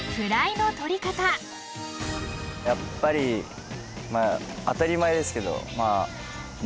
やっぱり当たり前ですけど。